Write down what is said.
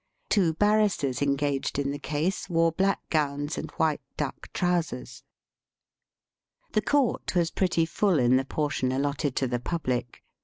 Two barristers engaged in the case wore black gowns and white duck trousers. The court was pretty full in the portion allotted to the public.